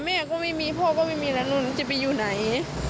แม่ก็ไม่มีพ่อก็ไม่มีแล้วหนูจะไปอยู่ไหน